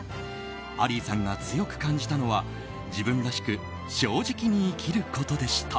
アリーさんが強く感じたのは自分らしく正直に生きることでした。